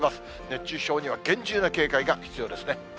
熱中症には厳重な警戒が必要ですね。